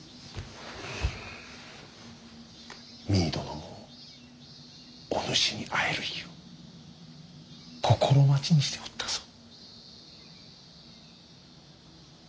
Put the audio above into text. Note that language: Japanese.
実衣殿もおぬしに会える日を心待ちにしておったぞ。